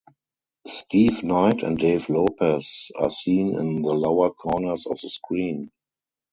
Steve Knight and Dave Lopez are seen in the lower corners of the screen.